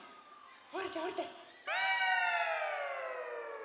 おりておりて。